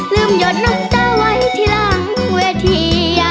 หยดน็อกเตอร์ไว้ทีหลังเวที